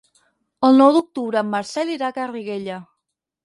El nou d'octubre en Marcel irà a Garriguella.